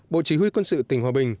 bộ chỉ huy quân sự tỉnh hòa bình